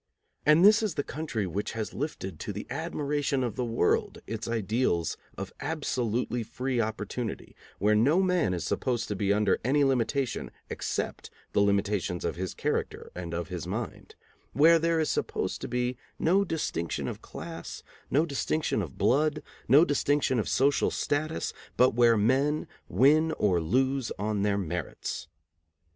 And this is the country which has lifted to the admiration of the world its ideals of absolutely free opportunity, where no man is supposed to be under any limitation except the limitations of his character and of his mind; where there is supposed to be no distinction of class, no distinction of blood, no distinction of social status, but where men win or lose on their merits.